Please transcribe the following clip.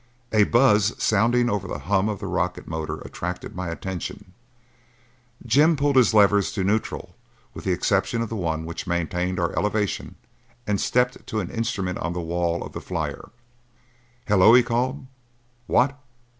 A buzz sounding over the hum of the rocket motor attracted my attention; Jim pulled his levers to neutral with the exception of the one which maintained our elevation and stepped to an instrument on the wall of the flyer. "Hello," he called. "What?